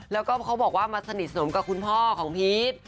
แล้วก็เขาบอกว่ามาสนิทสมกับคุณพ่อของพีช